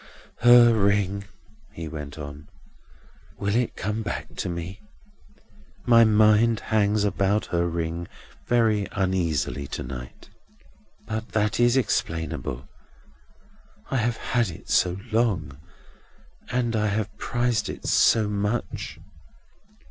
"Her ring," he went on. "Will it come back to me? My mind hangs about her ring very uneasily to night. But that is explainable. I have had it so long, and I have prized it so much!